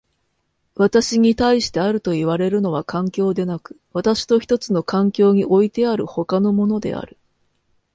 私に対してあるといわれるのは環境でなく、私と一つの環境においてある他のものである。